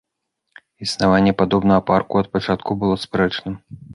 Існаванне падобнага парку ад пачатку было спрэчным.